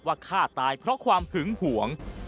ฆ่าตายเพราะความหึงหวง